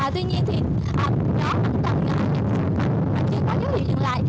tuy nhiên thì gió vẫn còn ngại nhưng mà chưa có dấu hiệu dừng lại